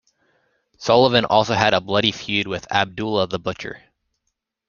Sullivan also had a bloody feud with Abdullah the Butcher.